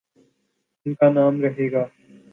ان کانام رہے گا۔